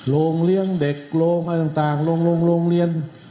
โรงเลี้ยงเด็กโรงอะไรต่างต่างโรงโรงโรงเรียน